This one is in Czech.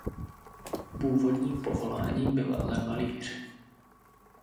Původním povoláním byl ale malíř.